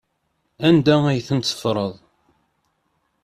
Anda ay ten-teffreḍ?